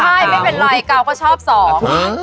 ใช่ไม่เป็นไรเกาก็ชอบสอง